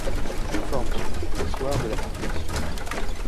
Elle informe son amant d'un soir de la situation.